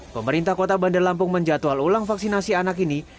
pemerintah kota bandar lampung menjatuhal ulang vaksinasi anak ini